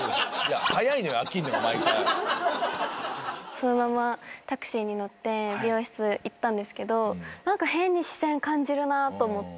そのままタクシーに乗って美容室行ったんですけど何か変に視線感じるなと思って。